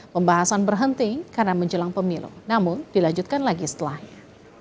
pembahasan berhenti karena menjelang pemilu namun dilanjutkan lagi setelahnya